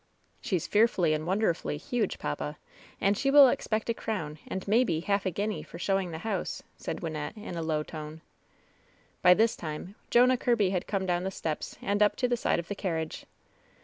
"She's 'fearfully and wonderfully' huge, papa. And she will expect a crown, and, maybe, half a guinea, for showing the house," said Wynnette, in a low tone. By this time Jonah Kirby had come down the steps and up to the side of the carriage.